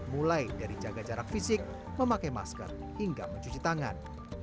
mulai dari jaga jarak fisik memakai masker hingga mencuci tangan